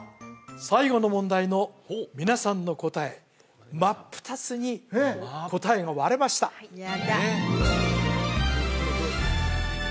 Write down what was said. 最後の問題の皆さんの答え真っ二つに答えが割れましたさあ